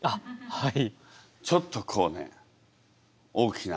はい。